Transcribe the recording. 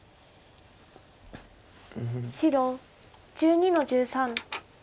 白１２の十三。